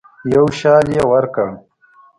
یو شال یې ورکړ.